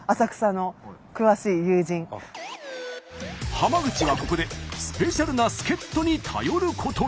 浜口がここでスペシャルな助っ人に頼ることに。